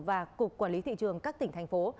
và cục quản lý thị trường các tỉnh thành phố